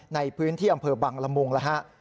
ในพื้นที่อำเภอบังรมงค์นะฮะ